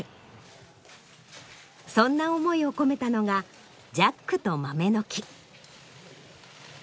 そんな思いを込めたのが『ジャックと豆の木』。